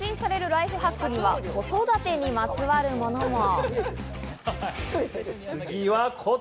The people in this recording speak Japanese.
ライフハックには子育てにまつわるものが。